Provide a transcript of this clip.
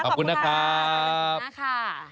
ขอบคุณค่ะ